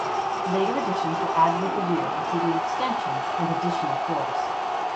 Later additions were added at the rear including extensions and additional floors.